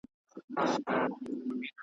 چي ډوډۍ راوړم یارانو ته تیاره .